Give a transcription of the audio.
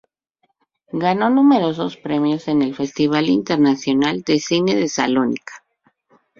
Ganó numerosos premios en el Festival Internacional de Cine de Salónica.